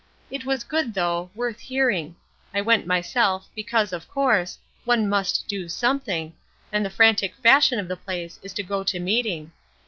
It was good though, worth hearing. I went myself, because, of course, one must do something, and the frantic fashion of the place is to go to meeting.